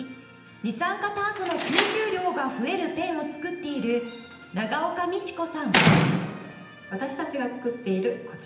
二酸化炭素の吸収量が増えるペンを作っている長岡美千子さん